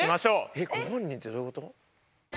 えっご本人ってどういうこと？